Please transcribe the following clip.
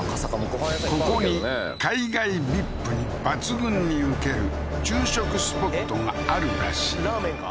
ここに海外ＶＩＰに抜群にウケる昼食スポットがあるらしいラーメンか？